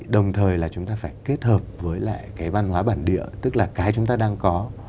đồng thời là chúng ta phải kết hợp với lại cái văn hóa bản địa tức là cái chúng ta đang có